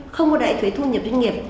không ưu đại thuế thu nhập doanh nghiệp